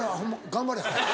頑張れ。